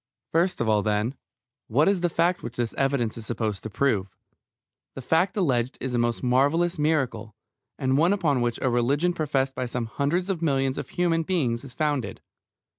First of all, then, what is the fact which this evidence is supposed to prove? The fact alleged is a most marvellous miracle, and one upon which a religion professed by some hundreds of millions of human beings is founded.